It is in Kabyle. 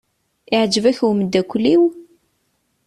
Iɛjeb-ak umeddakel-iw?